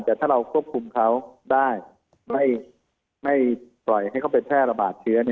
แต่ถ้าเราควบคุมเขาได้ไม่ปล่อยให้เขาไปแพร่ระบาดเชื้อ